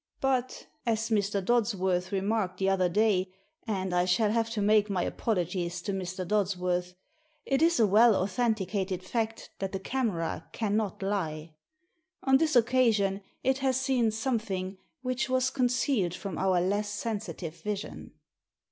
But, as Mr. Dodsworth remarked the other day — and I shall have to make my apologfies to Mr. Dodsworth — it is a well authenticated fact that the camera cannot lie. On this occasion it has seen something which was con cealed from our less sensitive vision."